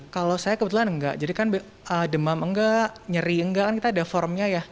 kalau saya kebetulan enggak jadi kan demam enggak nyeri enggak kan kita ada formnya ya